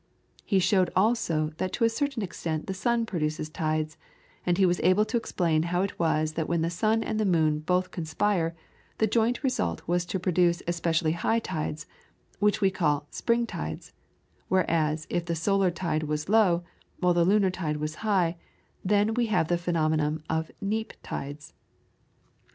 He showed also that to a certain extent the sun produces tides, and he was able to explain how it was that when the sun and the moon both conspire, the joint result was to produce especially high tides, which we call "spring tides"; whereas if the solar tide was low, while the lunar tide was high, then we had the phenomenon of "neap" tides.